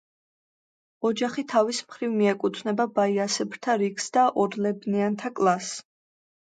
ოჯახი თავის მხრივ მიეკუთვნება ბაიასებრთა რიგს და ორლებნიანთა კლასს.